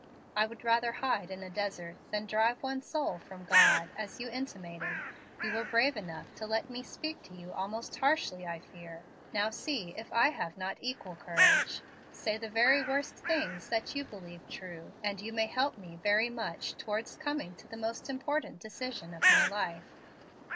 I would rather hide in a desert than drive one soul from God, as you intimated. You were brave enough to let me speak to you almost harshly, I fear; now see if I have not equal courage. Say the very worst things that you believe true, and you may help me very much towards coming to the most important decision of my life."